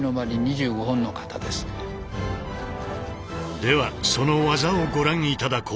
ではその技をご覧頂こう。